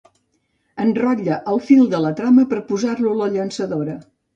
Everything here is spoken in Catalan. Enrotlla el fil de la trama per posar-lo a la llançadora.